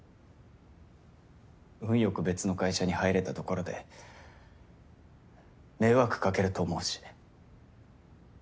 運よく別の会社に入れたところで迷惑かけると思うし。